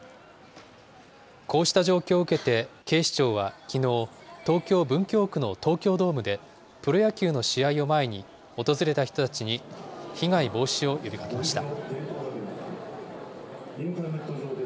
こうした状況を受けて、警視庁はきのう、東京・文京区の東京ドームで、プロ野球の試合を前に、訪れた人たちに被害防止を呼びかけました。